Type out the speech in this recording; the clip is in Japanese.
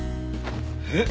えっ